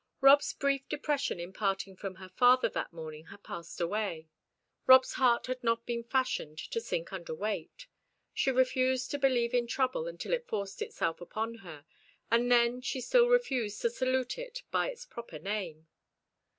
Rob's brief depression in parting from her father that morning had passed away. Rob's heart had not been fashioned to sink under weight; she refused to believe in trouble until it forced itself upon her, and then she still refused to salute it by its proper name.